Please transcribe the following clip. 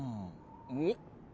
おっ？